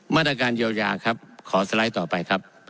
มาตรการเยียวยาครับขอสไลด์ต่อไปครับ